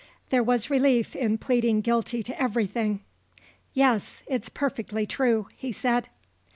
There was relief in pleading guilty to everything. "Yes: it's perfectly true," he said.